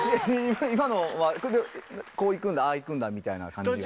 今のはこれでこういくんだああいくんだみたいな感じが。